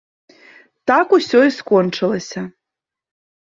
Так усё і скончылася.